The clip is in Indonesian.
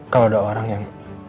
kalau ada orang yang